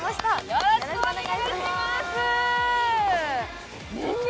よろしくお願いします